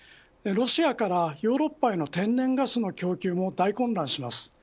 ロシアからヨーロッパへの天然ガスの供給も大混乱します。